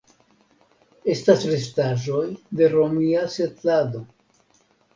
Estas restaĵoj de romia setlado.